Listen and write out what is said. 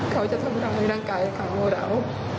เขาจะทำร้ายร่างกายเขาเรา